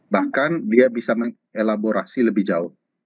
bahkan dia bisa mengelaborasi lebih jauh